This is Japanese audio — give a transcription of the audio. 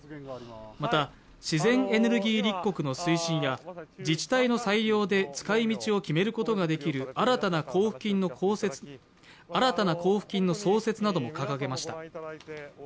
また、自然エネルギー立国の推進や自治体の裁量で使い道を決めることができる新たな交付金の創設なども掲げました。